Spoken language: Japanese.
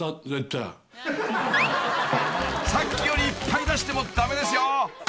［さっきよりいっぱい出しても駄目ですよ］